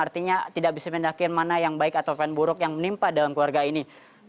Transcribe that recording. artinya tidak bisa mendaki mana yang baik atau fan buruk yang menimpa dalam keluarga ini